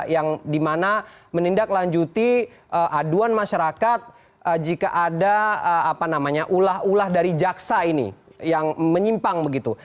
yang dimana menindaklanjuti aduan masyarakat jika ada ulah ulah dari jaksa ini yang menyimpang begitu